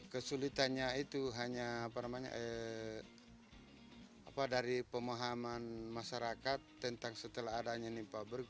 kesulitannya itu hanya dari pemahaman masyarakat tentang setelah adanya ini pabrik